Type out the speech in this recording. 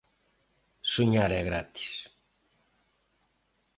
Soñar é gratis.